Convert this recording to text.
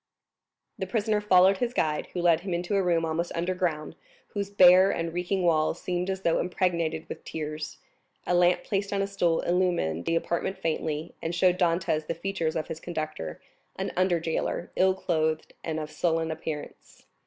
The prisoner followed his guide, who led him into a room almost under ground, whose bare and reeking walls seemed as though impregnated with tears; a lamp placed on a stool illumined the apartment faintly, and showed Dantès the features of his conductor, an under jailer, ill clothed, and of sullen appearance.